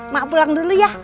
mak pulang dulu ya